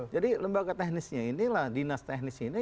jadi lembaga teknisnya inilah dinas teknis ini